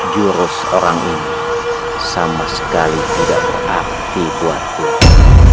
jurus orang ini sama sekali tidak berarti buat kita